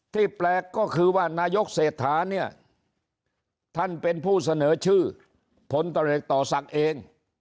ที่แปลกก็คือว่านายกเศษฐานี่ท่านเป็นผู้เสนอชื่อพตสักเอง